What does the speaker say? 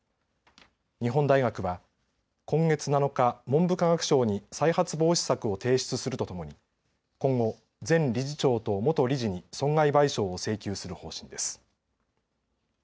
日本大学は今月７日、文部科学省に再発防止策を提出するとともに今後、前理事長と元理事に損害賠償を請求する方針です。